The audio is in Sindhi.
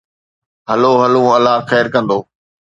هلو هلون، الله خير ڪندو.